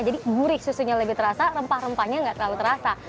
jadi gurih susunya lebih terasa rempah rempahnya enggak terlalu terasa